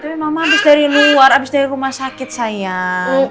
tapi mama habis dari luar abis dari rumah sakit sayang